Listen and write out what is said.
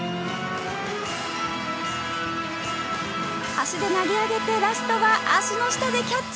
足で投げ上げてラストは足の下でキャッチ。